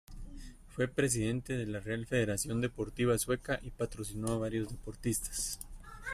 Fue presidente de la Real Federación Deportiva Sueca y patrocinó a varios deportistas.